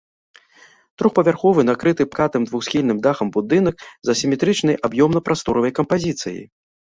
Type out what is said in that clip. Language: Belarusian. Трохпавярховы накрыты пакатым двухсхільным дахам будынак з асіметрычнай аб'ёмна-прасторавай кампазіцыяй.